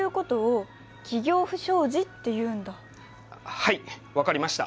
はい分かりました。